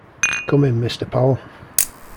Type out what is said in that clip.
Come in, Mr. Powell.